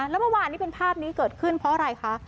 แล้วเมื่อวานนี้เป็นภาพนี้เกิดขึ้นเพราะอะไรคะ